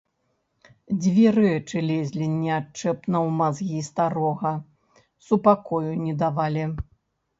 Дзве рэчы лезлі неадчэпна ў мазгі старога, супакою не давалі.